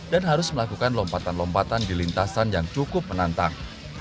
dan harus melakukan lompatan lompatan di lintasan yang cukup menantang